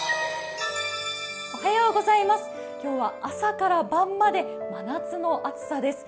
今日は朝から晩まで真夏の暑さです。